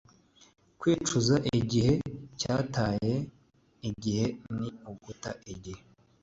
kwicuza igihe cyataye igihe ni uguta igihe.